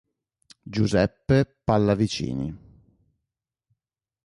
Giuseppe Pallavicini.